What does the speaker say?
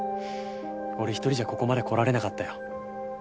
俺一人じゃここまで来られなかったよ。